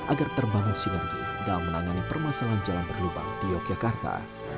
agar terbangun sinergi dalam menangani permasalahan jalan berlubang di yogyakarta